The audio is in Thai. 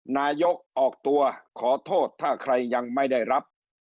นายกออกตัวขอโทษถ้าใครยังไม่ได้รับ